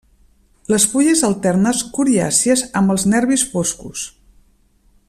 Les fulles alternes, coriàcies amb els nervis foscos.